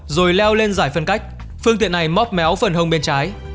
rồi leo lên giải phân cách phương tiện này móc méo phần hông bên trái